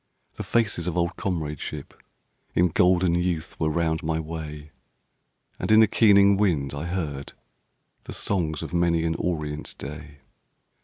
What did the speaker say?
The faces of old comradeship In golden youth were round my way. And in the keening wind I heard The songs of many an orient day.